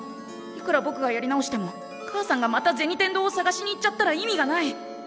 いくらぼくがやり直しても母さんがまた銭天堂を探しに行っちゃったら意味がない。